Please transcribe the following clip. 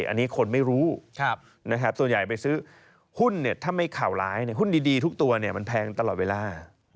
อันนี้คนไม่รู้ส่วนใหญ่ไปซื้อหุ้นถ้าไม่ข่าวร้ายหุ้นดีทุกตัวมันแพงตลอดเวลา